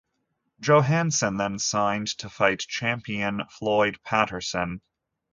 Johansson then signed to fight champion Floyd Patterson.